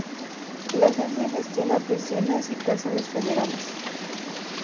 La agencia gestiona prisiones y cárceles federales.